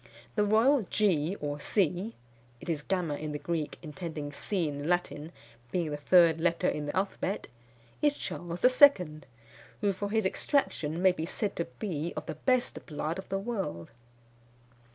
The royal G or C [it is gamma in the Greek, intending C in the Latin, being the third letter in the alphabet] is Charles II., who for his extraction may be said to be of the best blood of the world.